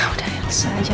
udah yang sesuai aja